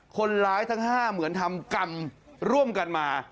คนร้ายทั้ง๕เหมือนทำกรรมร่วมกันมา